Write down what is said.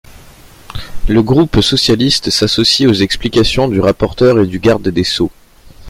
Le groupe socialiste s’associe aux explications du rapporteur et du garde des sceaux.